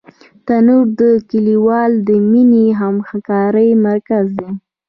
تنور د کلیوالو د مینې او همکارۍ مرکز دی